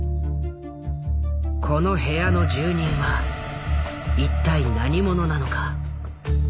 この部屋の住人は一体何者なのか？